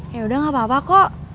yaudah enggak apa apa kok